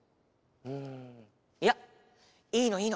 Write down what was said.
んいやいいのいいの。